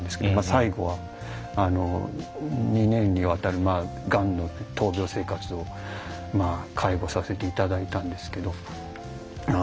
最後は２年にわたるがんの闘病生活を介護させていただいたんですけど。